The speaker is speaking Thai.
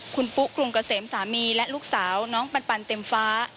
คุณปุ๊กรุงเกษมสามีและลูกสาวน้องปันเต็มฟ้า